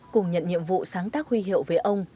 cùng nhận nhiệm vụ sáng tác huy hiệu với ông